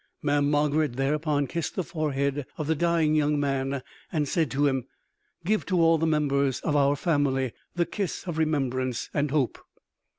Mamm' Margarid thereupon kissed the forehead of the dying young man and said to him: "Give to all the members of our family the kiss of remembrance and hope."